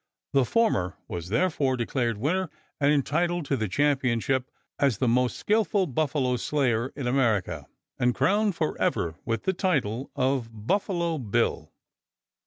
The former was therefore declared winner, and entitled to the championship as the most skillful buffalo slayer in America, and crowned forever with the title of "Buffalo Bill."